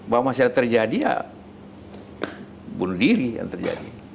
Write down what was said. bahwa masyarakat terjadi ya bunuh diri yang terjadi